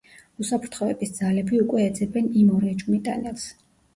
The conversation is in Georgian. უსაფრთხოების ძალები უკვე ეძებენ იმ ორ ეჭვმიტანილს.